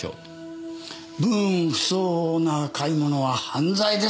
分不相応な買い物は犯罪ですか？